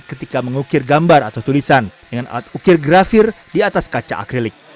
ketika mengukir gambar atau tulisan dengan alat ukir grafir di atas kaca akrilik